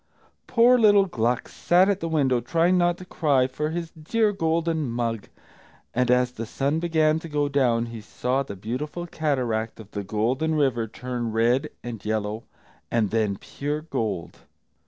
Poor little Gluck sat at the window, trying not to cry for his dear golden mug, and as the sun began to go down, he saw the beautiful cataract of the Golden River turn red, and yellow, and then pure gold.